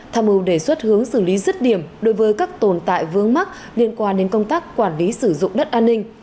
tham mưu đề xuất hướng xử lý rứt điểm đối với các tồn tại vướng mắc liên quan đến công tác quản lý sử dụng đất an ninh